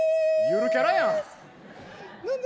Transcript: ゆるキャラやん。